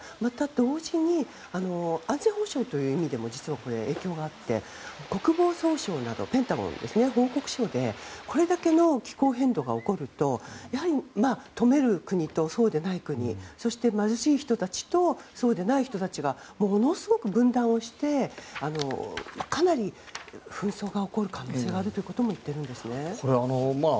同時に安全保障という意味でも実は影響があって国防総省、ペンダゴンなど報告書でこれだけの気候変動が起きると富める国と、そうでない国貧しい人たちとそうでない人たちはものすごく分断をしてかなり紛争が起こる可能性があるということもいっているんですね。